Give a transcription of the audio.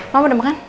ma udah makan